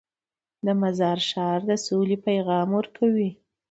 د مزار ښار د سولې پیغام ورکوي.